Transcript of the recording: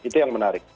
itu yang menarik